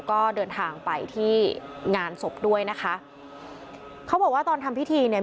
ก็เดินทางไปที่งานศพด้วยนะคะเขาบอกว่าตอนทำพิธีเนี่ย